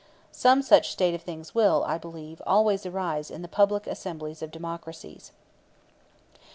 Some such state of things will, I believe, always arise in the public assemblies of democracies.